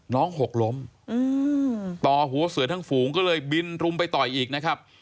หกล้มต่อหัวเสือทั้งฝูงก็เลยบินรุมไปต่อยอีกนะครับ